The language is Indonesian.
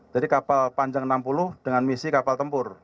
jadi kapal panjang enam puluh dengan misi kapal tempur